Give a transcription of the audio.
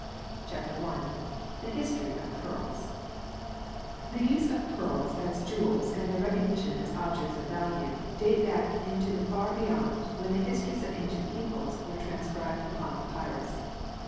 CHAPTER I THE HISTORY OF PEARLS THE use of pearls as jewels and their recognition as objects of value date back into the far beyond when the histories of ancient peoples were transcribed upon papyrus.